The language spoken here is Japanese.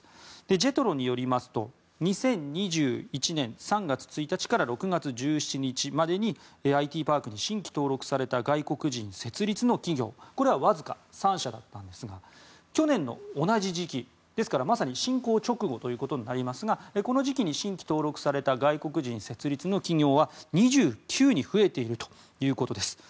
ＪＥＴＲＯによりますと２０２１年３月１日から６月１７日までにＩＴパークに新規登録された外国人設立の企業はこれはわずか３社だったんですが去年の同じ時期、ですからまさに侵攻直後になりますが新規登録された外国人設立の企業は２９に増えているということです。